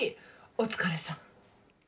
お疲れさん。